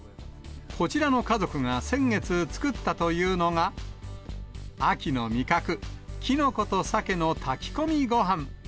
こちらの家族が先月作ったというのが、秋の味覚、きのことサケの炊き込みごはん。